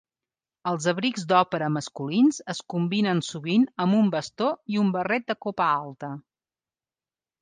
Els abrics d'òpera masculins es combinen sovint amb un bastó i un barret de copa alta.